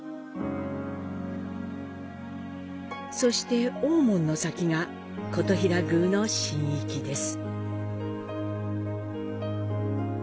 そして大門の先が金刀比羅宮の神域です。